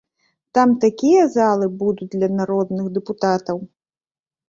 Там такія залы будуць для народных дэпутатаў!